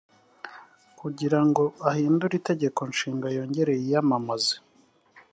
kugira ngo ahindure itegeko nshinga yongere yiyamamaze